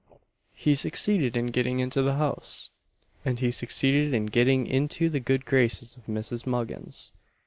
He succeeded in getting into the house, and he succeeded in getting into the good graces of Mrs. Muggins.